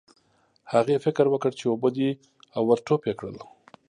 هغې فکر وکړ چې اوبه دي او ور ټوپ یې کړل.